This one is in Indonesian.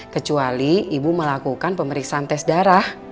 kecuali ibu melakukan pemeriksaan tes darah